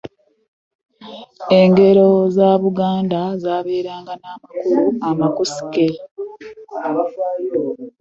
Engero z'abaganda zabeeranga n'amukulu amakusike.